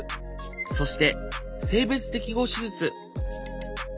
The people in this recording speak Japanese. そして性別適合手術。